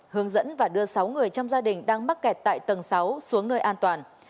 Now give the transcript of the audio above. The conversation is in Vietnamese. hướng dẫn và đưa sáu người trong gia đình đang mắc kẹt tại tầng sáu xuống nơi an toàn